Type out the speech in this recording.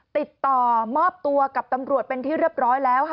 ติดต่อมอบตัวกับตำรวจเป็นที่เรียบร้อยแล้วค่ะ